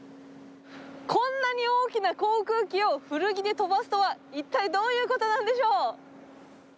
こんなに大きな航空機を古着で飛ばすとは、一体どういうことなんでしょう。